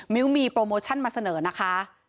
้วมีโปรโมชั่นมาเสนอนะคะ